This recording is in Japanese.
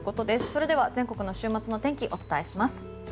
それでは、全国の週末の天気をお伝えします。